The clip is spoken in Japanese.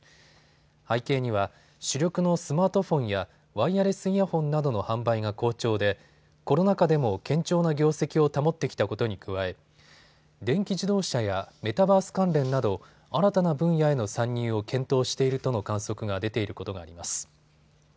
背景には主力のスマートフォンやワイヤレスイヤホンなどの販売が好調でコロナ禍でも堅調な業績を保ってきたことに加え電気自動車やメタバース関連など新たな分野への参入を検討しているとの観測が出ていることがあります。